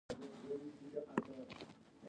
ناوړه الفاظ اورېدل ذهن خرابوي.